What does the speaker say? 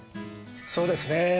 そうですねえ。